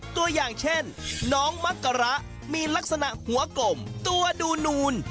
ตัวอย่างเช่นน้องมักกระมีลักษณะหัวกลมตัวดูนูน